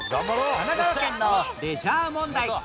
神奈川県のレジャー問題